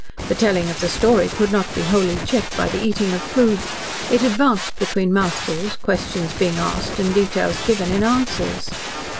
The telling of the story could not be wholly checked by the eating of food. It advanced between mouthfuls, questions being asked and details given in answers.